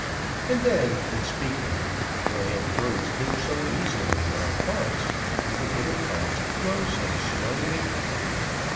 And then, in speaking, grand words come so easily, while thoughts, even little thoughts, flow so slowly!